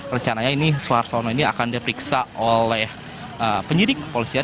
rencananya ini suhartono ini akan diperiksa oleh penyidik kepolisian